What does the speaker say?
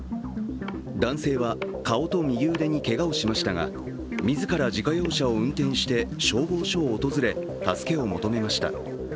男性は顔と右腕にけがをしましたが、自ら自家用車を運転して消防署を訪れ、助けを求めました。